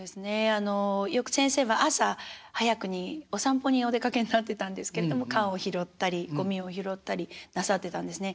あのよく先生は朝早くにお散歩にお出かけになってたんですけれども缶を拾ったりゴミを拾ったりなさってたんですね。